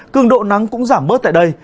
cường độ nắng cũng giảm mất tại đây